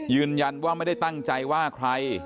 ยืนยันว่าไม่ได้ตั้งใจว่าใคร